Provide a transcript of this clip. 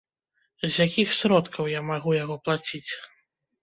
З якіх сродкаў я магу яго плаціць?